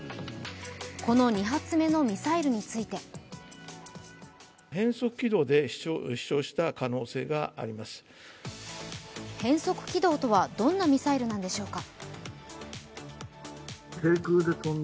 この２発目のミサイルについて変則軌道とはどんなミサイルなんでしょうか。